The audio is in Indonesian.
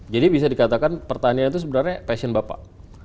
jadi bisa dikatakan pertanian itu sebenarnya passion bapak